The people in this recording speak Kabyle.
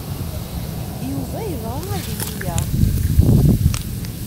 Yuba yebɣa ad iyi-yaɣ.